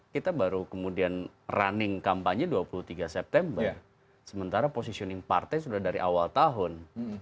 kita baru kemudian running kampanye dua puluh tiga september sementara positioning partai sudah dari awal tahun